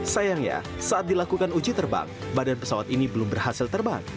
sayangnya saat dilakukan uji terbang badan pesawat ini belum berhasil terbang